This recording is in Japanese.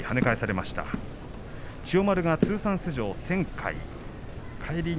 千代丸は通算出場１０００回です。